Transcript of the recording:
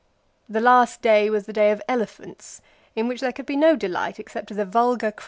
The last day was the day of elephants ; in which there could be no delight except to the vulgar crowd.